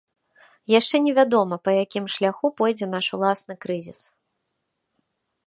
Яшчэ невядома, па якім шляху пойдзе наш уласны крызіс.